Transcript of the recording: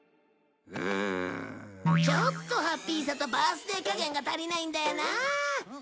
ちょっとハッピーさとバースデー加減が足りないんだよなあ。